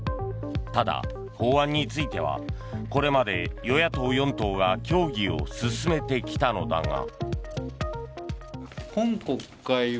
ただ、法案についてはこれまで与野党４党が協議を進めてきたのだが。